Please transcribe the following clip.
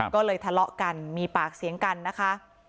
ก็เลยทะเลาะกันมีปากเสียงกันนะคะ